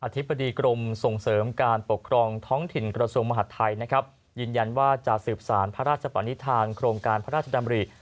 ธิบดีกรมส่งเสริมการปกครองท้องถิ่นกระทรวงมหาดไทยนะครับยืนยันว่าจะสืบสารพระราชปนิษฐานโครงการพระราชดำริ